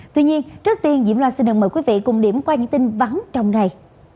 tuy nhiên trước tiên diễm loan xin đừng mời quý vị cùng điểm qua những tin vắng trong ngày